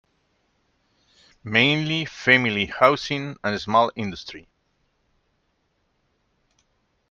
Mainly family housing and small industry.